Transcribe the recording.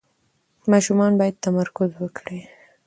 ماشومان باید تمرکز وکړي.